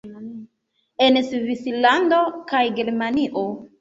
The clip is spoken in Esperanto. En Svislando kaj Germanio